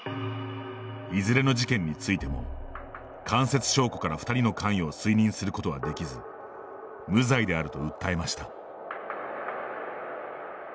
いずれの事件についても間接証拠から２人の関与を推認することはできず無罪であると訴えました。